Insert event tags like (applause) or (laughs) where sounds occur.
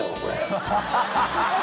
ハハハ (laughs)